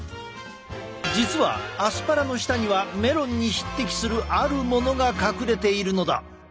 実はアスパラの下にはメロンに匹敵するあるものが隠れているのだ。